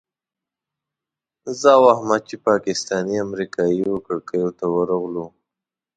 زه او احمد چې پاکستاني امریکایي وو کړکیو ته ورغلو.